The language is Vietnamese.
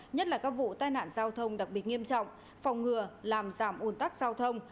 nhất là các vụ tai nạn giao thông đặc biệt nghiêm trọng phòng ngừa làm giảm ồn tắc giao thông